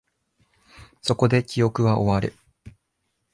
そこで、記憶は終わる